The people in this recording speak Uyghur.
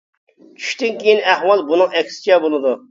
چۈشتىن كېيىن ئەھۋال بۇنىڭ ئەكسىچە بولىدۇ.